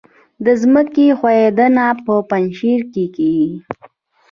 د ځمکې ښویدنه په پنجشیر کې کیږي